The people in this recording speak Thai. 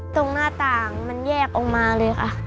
ตรงหน้าต่างมันแยกออกมาเลยค่ะ